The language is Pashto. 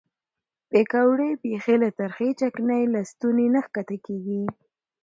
پیکورې بیخي له ترخې چکنۍ له ستوني نه ښکته کېږي.